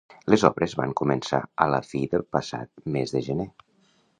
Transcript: Les obres van començar a la fi del passat mes de gener.